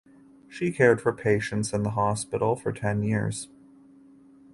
She cared for patients in the hospital for ten years.